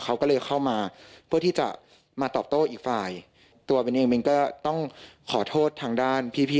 เขาก็เลยเข้ามาเพื่อที่จะมาตอบโต้อีกฝ่ายตัวเป็นเองมันก็ต้องขอโทษทางด้านพี่พี่